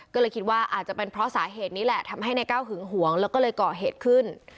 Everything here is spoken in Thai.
ก็เลยคิดว่าอาจจะเป็นเพราะสาเหตุนี้แหละทำให้นายก้าวหึงหวงแล้วก็เลยก่อเหตุขึ้น